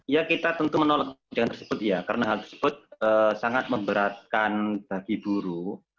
ya kita tentu menolak kebijakan tersebut ya karena hal tersebut sangat memberatkan bagi buruh